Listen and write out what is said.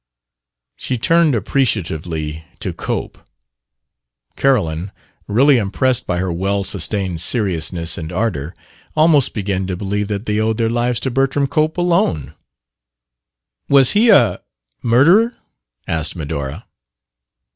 She turned appreciatively to Cope. Carolyn, really impressed by her well sustained seriousness and ardor, almost began to believe that they owed their lives to Bertram Cope alone. "Was he a murderer?" asked Medora.